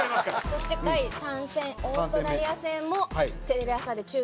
そして第３戦オーストラリア戦もテレビ朝日で中継を。